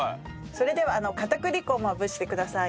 それでは片栗粉をまぶしてください。